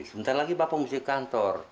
sebentar lagi bapak mesti ke kantor